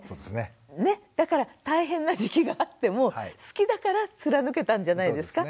だから大変な時期があっても好きだから貫けたんじゃないですか？